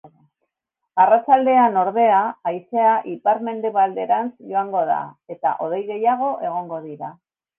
Arratsaldean, ordea, haizea ipar-mendebalderantz joango da eta hodei gehiago egongo dira.